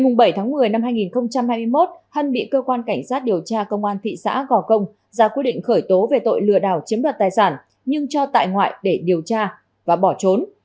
ngày bảy tháng một mươi năm hai nghìn hai mươi một hân bị cơ quan cảnh sát điều tra công an thị xã gò công ra quyết định khởi tố về tội lừa đảo chiếm đoạt tài sản nhưng cho tại ngoại để điều tra và bỏ trốn